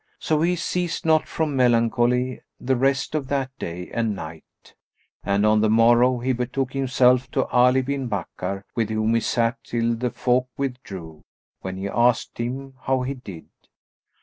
So he ceased not from melancholy the rest of that day and night, and on the morrow he betook himself to Ali bin Bakkar, with whom he sat till the folk withdrew, when he asked him how he did.